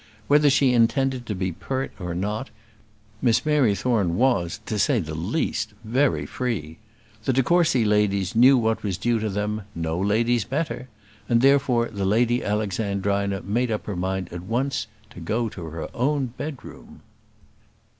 Whether she intended to be pert or not, Miss Mary Thorne was, to say the least, very free. The de Courcy ladies knew what was due to them no ladies better; and, therefore, the Lady Alexandrina made up her mind at once to go to her own bedroom.